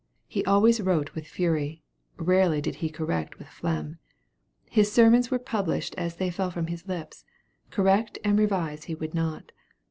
He always wrote with fury; rarely did he correct with phlegm. His sermons were published as they fell from his lips, correct and revise he would not.